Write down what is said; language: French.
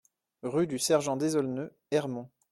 Rue du Sergent Désolneux, Ermont